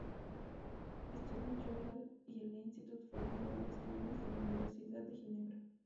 Estudi General y el Institute for Global Studies de la Universidad de Ginebra.